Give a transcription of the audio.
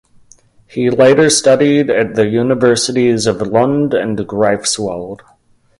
He later studied at the universities of Lund and Greifswald.